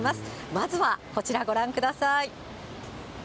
まずはこちら、ご覧ください。